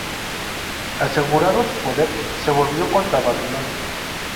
Asegurado su poder, se volvió contra Babilonia.